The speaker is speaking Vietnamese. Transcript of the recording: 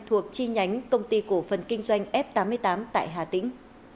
thuộc chi nhánh công ty cổ phần kinh doanh f tám mươi tám tại hà tĩnh